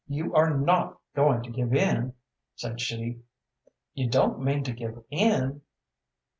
"You are not going to give in?" said she. "You don't mean to give in?"